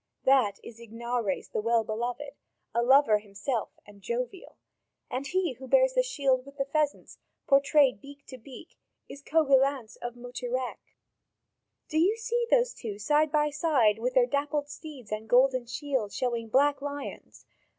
That is Ignaures the well beloved, a lover himself and jovial. And he who bears the shield with the pheasants portrayed beak to beak is Coguillanz of Mautirec. Do you see those two side by side, with their dappled steeds, and golden shields showing black lions?